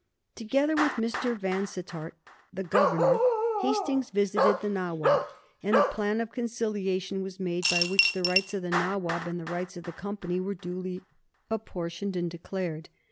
Together with Mr. Vansittart, the Governor, Hastings visited the Nawab, and a plan of conciliation was made by which the rights of the Nawab and the rights of the Company were duly apportioned and declared.